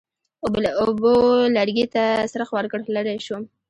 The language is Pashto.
اوبو لرګي ته څرخ ورکړ، لرې شوم.